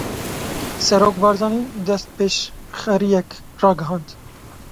Serok Barzanî destpêşxeriyek ragihand.